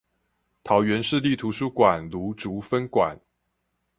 桃園市立圖書館蘆竹分館